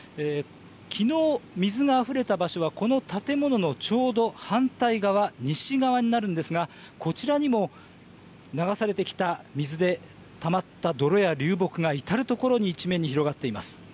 きのう、水があふれた場所はこの建物のちょうど反対側、西側になるんですが、こちらにも流されてきた水でたまった泥や流木が至る所に、一面に広がっています。